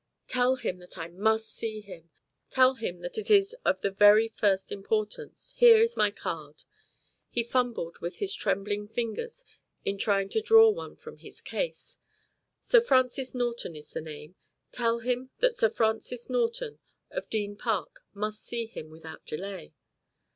"Tell him that I MUST see him. Tell him that it is of the very first importance. Here is my card." He fumbled with his trembling fingers in trying to draw one from his case. "Sir Francis Norton is the name. Tell him that Sir Francis Norton, of Deane Park, must see him without delay."